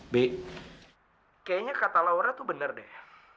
bi kayaknya kata laura tuh bener deh